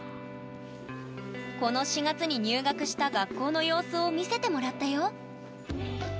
この４月に入学した学校の様子を見せてもらったよ！